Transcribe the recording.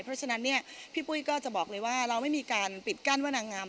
เพราะฉะนั้นเนี่ยพี่ปุ้ยก็จะบอกเลยว่าเราไม่มีการปิดกั้นว่านางงาม